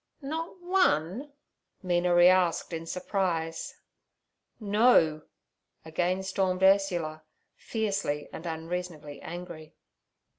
'Not one?' Mina reasked in surprise. 'No' again stormed Ursula, fiercely and unreasonably angry.